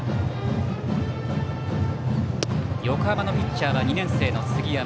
横浜のピッチャーは２年生の杉山。